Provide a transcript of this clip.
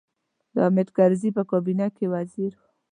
د حامد کرزي په کابینه کې وزیر و.